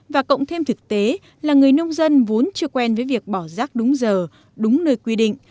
và cộng thêm thực tế là người nông dân vốn chưa quen với việc bỏ rác đúng giờ đúng nơi quy định